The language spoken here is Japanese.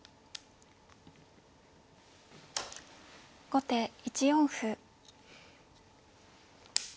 後手１四歩。